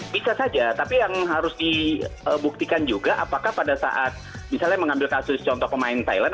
bisa saja tapi yang harus dibuktikan juga apakah pada saat misalnya mengambil kasus contoh pemain thailand